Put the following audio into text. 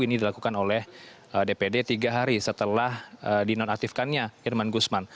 ini dilakukan oleh dpd tiga hari setelah dinonaktifkannya irman gusman